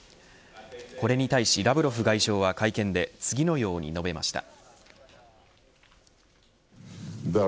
これに対しラブロフ外相は会見で次のように述べました。